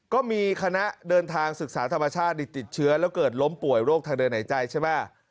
ก็มีคณะเดินทางศึกษาธรรมชาติติดเชื้อแล้วเกิดล้มป่วยโรคทางเดินหายใจใช่ไหม